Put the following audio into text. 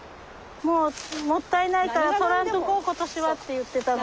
もうもったいないから採らんとこう今年はって言ってたの。